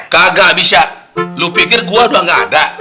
kagak bisa lu pikir gua udah gak ada